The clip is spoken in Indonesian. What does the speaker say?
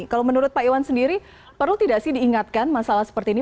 kalau menurut pak iwan sendiri perlu tidak sih diingatkan masalah seperti ini